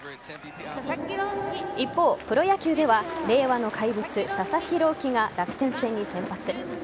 一方、プロ野球では令和の怪物・佐々木朗希が楽天戦に先発。